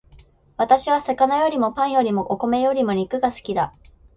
私は魚よりもパンよりもお米よりも肉が好きだ